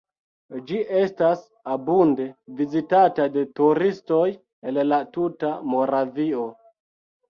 Ĝi estas abunde vizitata de turistoj el la tuta Moravio.